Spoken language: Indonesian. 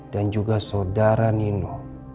dan juga saudara nino